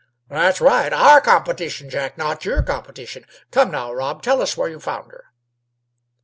"That's right; our competition, Jack; not your competition. Come, now, Rob, tell us where you found her."